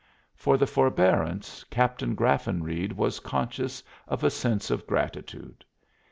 For the forbearance Captain Graffenreid was conscious of a sense of gratitude.